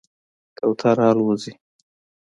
کوتره الوځي.